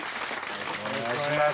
お願いします。